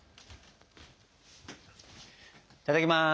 いただきます。